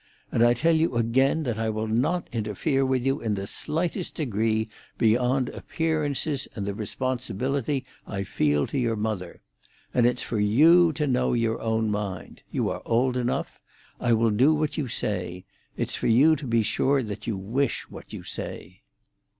And I tell you again that I will not interfere with you in the slightest degree beyond appearances and the responsibility I feel to your mother. And it's for you to know your own mind. You are old enough. I will do what you say. It's for you to be sure that you wish what you say."